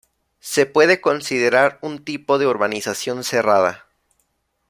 Se puede considerar un tipo de urbanización cerrada.